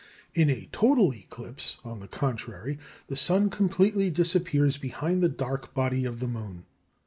In a total eclipse, on the contrary, the sun completely disappears behind the dark body of the moon.